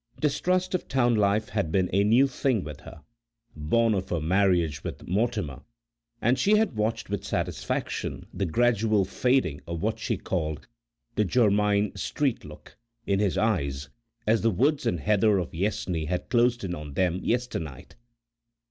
Distrust of town life had been a new thing with her, born of her marriage with Mortimer, and she had watched with satisfaction the gradual fading of what she called "the Jermyn street look" in his eyes as the woods and heather of Yessney had closed in on them yesternight.